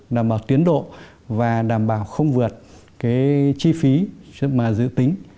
đảm bảo tiến độ và đảm bảo không vượt cái chi phí mà dự tính